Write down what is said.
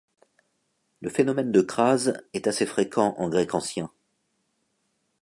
Le phénomène de crase est assez fréquent en grec ancien.